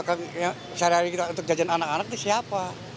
karena sehari hari kita untuk jajan anak anak itu siapa